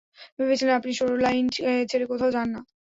ভেবেছিলাম, আপনি শোরলাইন ছেড়ে কোথাও যান না।